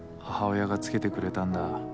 母親が付けてくれたんだ。